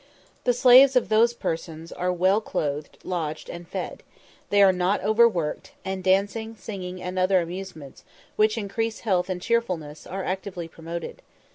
The slaves of these persons are well clothed, lodged, and fed; they are not overworked, and dancing, singing, and other amusements, which increase health and cheerfulness, are actively promoted.